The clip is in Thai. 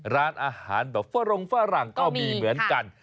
ร้านอาหารแบบฝรงฝรั่งก็มีเหมือนกัน